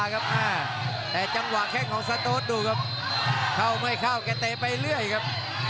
แข้งของสะโดดดูครับเข้าไม่เข้าแกเตะไปเรื่อยครับ